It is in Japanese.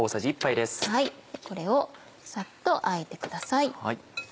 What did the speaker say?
これをサッとあえてください。